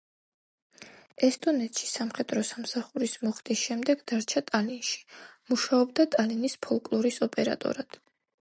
ესტონეთში სამხედრო სამსახურის მოხდის შემდეგ დარჩა ტალინში, მუშაობდა ტალინის ფოლკლორის ოპერატორად.